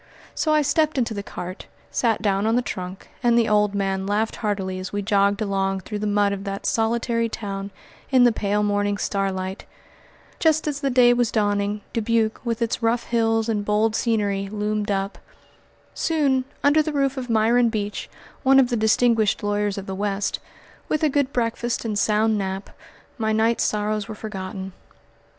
So I stepped into the cart, sat down on the trunk, and the old man laughed heartily as we jogged along through the mud of that solitary town in the pale morning starlight. Just as the day was dawning, Dubuque, with its rough hills and bold scenery, loomed up. Soon, under the roof of Myron Beach, one of the distinguished lawyers of the West, with a good breakfast and sound nap, my night's sorrows were forgotten.